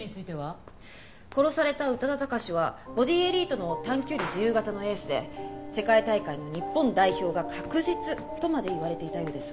殺された宇多田貴史はボディエリートの短距離自由形のエースで世界大会の日本代表が確実とまで言われていたようです。